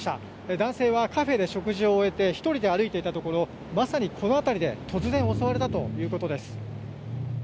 男性はカフェで食事を終えて１人で歩いていたところまさにこの辺りで突然、襲われたということです。